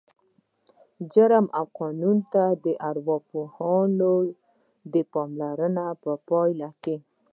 جرم او قانون ته د ارواپوهانو د پاملرنې په پایله کې